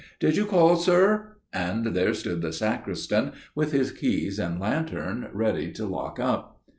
"'Did you call, sir?'" And there stood the sacristan, with his keys and lantern, ready to lock up.